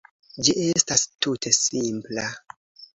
Ĝi estas tute simpla.